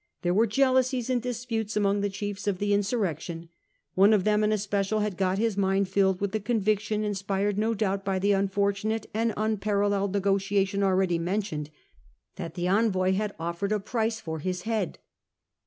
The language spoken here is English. There were jealousies and disputes among the chiefs of the insur rection. One of them in especial had got his mind filled with the conviction, inspired no doubt by the unfortunate and unparalleled negotiation already mentioned, that the envoy had offered a price for his head.